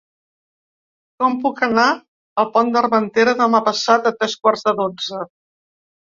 Com puc anar al Pont d'Armentera demà passat a tres quarts de dotze?